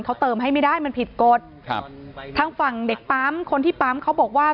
เขาเติมให้ไม่ได้มันผิดกฎครับทางฝั่งเด็กปั๊มคนที่ปั๊มเขาบอกว่า